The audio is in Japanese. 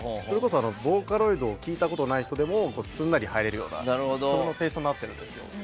それこそボーカロイドを聴いたことない人でもすんなり入れるような曲のテイストになってるんですよ。